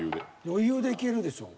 余裕でいけるでしょう。